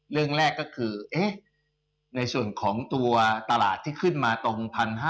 เรื่องแรกก็คือเอ๊ะในส่วนของตัวตลาดที่ขึ้นมาตรง๑๕๐๐